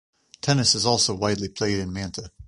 Tennis is also widely played in Manta.